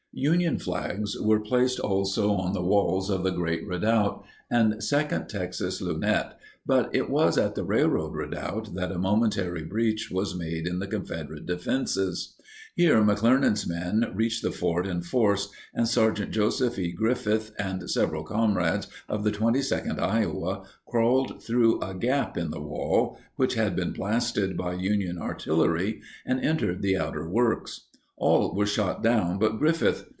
Union flags were placed also on the walls of the Great Redoubt and Second Texas Lunette, but it was at the Railroad Redoubt that a momentary breach was made in the Confederate defenses. Here, McClernand's men reached the fort in force, and Sgt. Joseph E. Griffith and several comrades of the 22nd Iowa crawled through a gap in the wall, which had been blasted by Union artillery, and entered the outer works. All were shot down but Griffith.